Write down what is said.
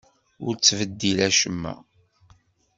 Ur ttbeddil acemma!